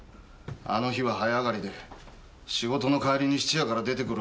あの日は早上がりで仕事の帰りに質屋から出てくるあ